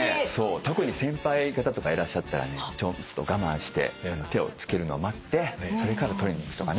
特に先輩方とかいらっしゃったらねちょっと我慢して手をつけるのを待ってそれから取りにいくとかね。